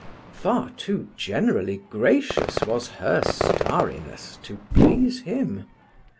Far too generally gracious was Her Starriness to please him.